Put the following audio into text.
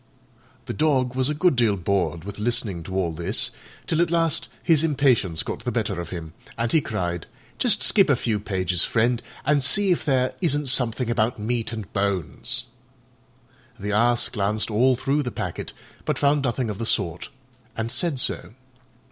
The Dog was a good deal bored with listening to all this, till at last his impatience got the better of him, and he cried, "Just skip a few pages, friend, and see if there isn't something about meat and bones." The Ass glanced all through the packet, but found nothing of the sort, and said so.